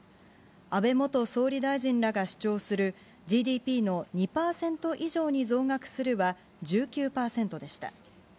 安倍元総理大臣らが主張する、ＧＤＰの２％以上に増額するは１９％でした。